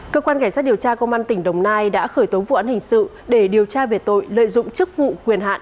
cơ quan điều tra công an tp hcm đã khởi tố vụ án hình sự để điều tra về tội lợi dụng chức vụ quyền hạn